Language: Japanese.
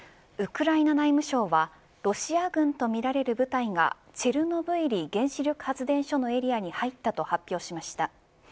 ウクライナ内務省はロシア軍とみられる部隊がチェルノブイリ原子力発電所のエリアに入ったと発表しました。